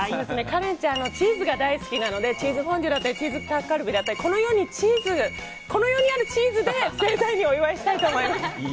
カレンちゃんチーズが大好きなのでチーズフォンデュだったりチーズタッカルビだったりこの世にあるチーズで盛大にお祝いしたいと思います。